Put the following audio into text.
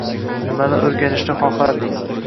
Nimani o‘rganishni xohlarding?